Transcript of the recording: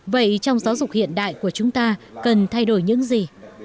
vậy trong giáo dục hiện đại của chúng ta cần thay đổi những gì